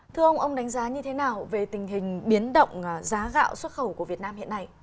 thưa ông ông đánh giá như thế nào về tình hình biến động giá gạo xuất khẩu của việt nam hiện nay